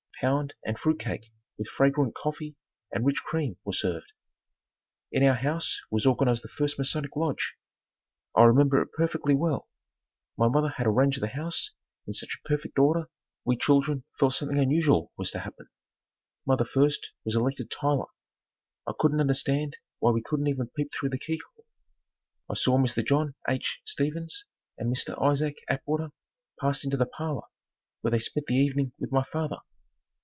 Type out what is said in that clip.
Pound and fruit cake with fragrant coffee and rich cream were served. In our house was organized the first Masonic Lodge. I remember it perfectly well. My mother had arranged the house in such perfect order we children felt something unusual was to happen. Mother first was elected Tyler. I couldn't understand why we couldn't even peep through the key hole. I saw Mr. John H. Stevens and Mr. Isaac Atwater pass into the parlor where they spent the evening with my father.